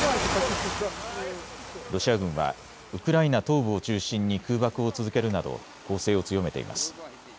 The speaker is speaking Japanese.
ロシア軍はウクライナ東部を中心に空爆を続けるなど攻勢を強めています。